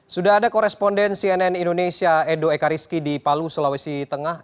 sudah ada koresponden cnn indonesia edo ekariski di palu sulawesi tengah